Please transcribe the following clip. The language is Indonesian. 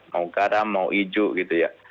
mau karam mau hijau gitu ya